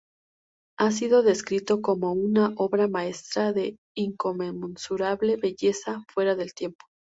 Ha sido descrito como una "obra maestra de inconmensurable belleza fuera del tiempo".